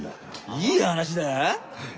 いい話だあ？